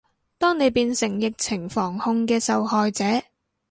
當你變成疫情防控嘅受害者